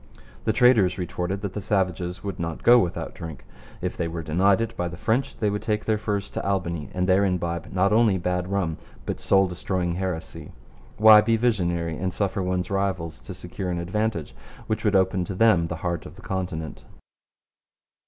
The traders retorted that the savages would not go without drink. If they were denied it by the French they would take their furs to Albany, and there imbibe not only bad rum but soul destroying heresy. Why be visionary and suffer one's rivals to secure an advantage which would open up to them the heart of the continent?